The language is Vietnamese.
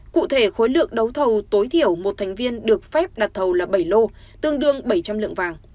cụ thể khối lượng đấu thầu tối thiểu một thành viên được phép đặt thầu là bảy lô tương đương bảy trăm linh lượng vàng